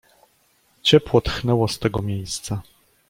"Ciepło tchnęło z tego miejsca."